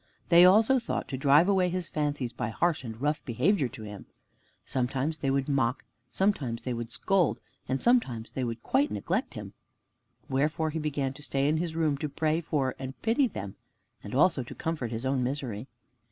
They also thought to drive away his fancies by harsh and rough behavior to him. Sometimes they would mock, sometimes they would scold, and sometimes they would quite neglect him. Wherefore he began to stay in his room to pray for and pity them, and also to comfort his own misery.